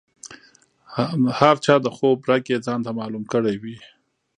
هر چا د خوب رګ یې ځانته معلوم کړی وي.